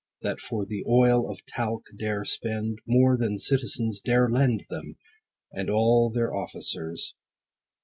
That for the oil of talc dare spend More than citizens dare lend Them, and all their officers.